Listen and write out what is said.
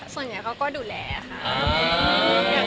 ส่วนใหญ่เขาก็ดูแลค่ะ